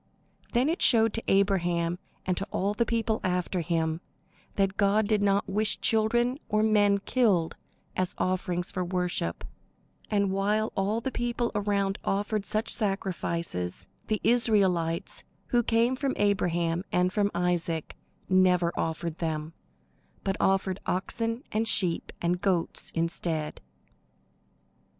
Then it showed to Abraham and to all the people after him, that God did not wish children or men killed as offerings for worship; and while all the people around offered such sacrifices, the Israelites, who came from Abraham and from Isaac, never offered them, but offered oxen and sheep and goats instead.